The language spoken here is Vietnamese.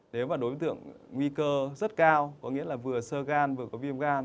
nếu mà đối tượng nguy cơ rất cao có nghĩa là vừa sơ gan vừa có viêm gan